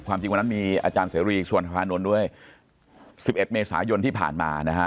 ความจริงว่านั้นมีอาจารย์เสรีส่วนภาพนวลด้วย๑๑เมษายนที่ผ่านมานะฮะ